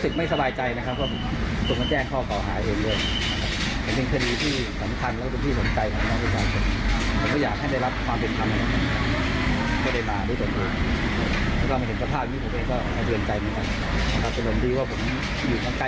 ของคุณวรรัฐศัพท์